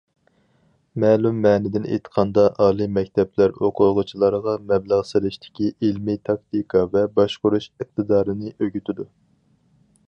مەلۇم مەنىدىن ئېيتقاندا، ئالىي مەكتەپلەر ئوقۇغۇچىلارغا مەبلەغ سېلىشتىكى ئىلمىي تاكتىكا ۋە باشقۇرۇش ئىقتىدارىنى ئۆگىتىدۇ.